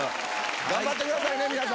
頑張ってくださいね皆さん。